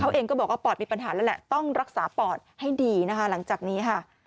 เขาเองก็บอกว่าปอดมีปัญหาแล้วแหละต้องรักษาปอดให้ดีนะคะหลังจากนี้ค่ะ